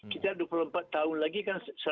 kita dua puluh empat tahun lagi kan